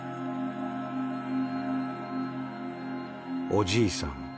「おじいさん